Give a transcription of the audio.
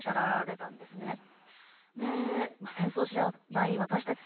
戦争を知らない私たち